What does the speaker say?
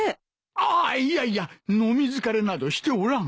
ああっいやいや飲み疲れなどしておらん。